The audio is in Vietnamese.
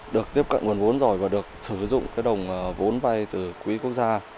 được tiếp cận nguồn vốn rồi và được sử dụng cái đồng vốn vay từ quỹ quốc gia